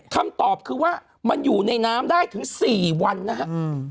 คำตอบคือว่ามันอยู่ในน้ำได้ถึง๔วันนะครับ